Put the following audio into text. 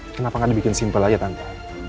kenapa gak dibikin simpel saja tante